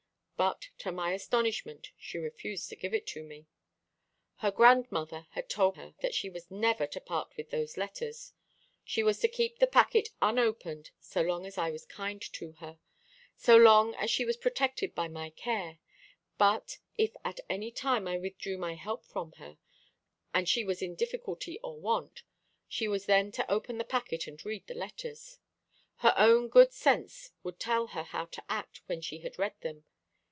But to my astonishment she refused to give it to me. Her grandmother had told her that she was never to part with those letters. She was to keep the packet unopened so long as I was kind to her, so long as she was protected by my care; but if at any time I withdrew my help from her, and she was in difficulty or want, she was then to open the packet and read the letters. Her own good sense would tell her how to act when she had read them.